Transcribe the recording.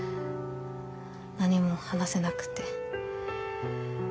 何も話せなくて。